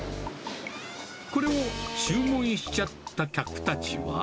これを注文しちゃった客たちは。